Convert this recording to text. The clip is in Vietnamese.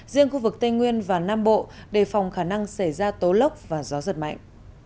riêng khu vực tây nguyên và nam bộ đề phòng khả năng xảy ra tố lốc và gió giật mạnh